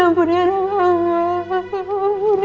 ya ampun ya ampun ampun